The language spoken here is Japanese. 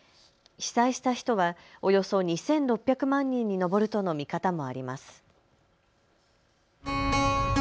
被災した人はおよそ２６００万人に上るとの見方もあります。